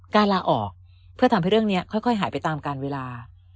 ลาออกเพื่อทำให้เรื่องนี้ค่อยหายไปตามการเวลา